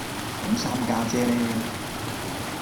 咁三家姐呢